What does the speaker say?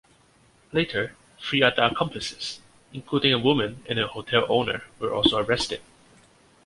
Later, three other accomplices, including a woman and a hotel owner, were also arrested.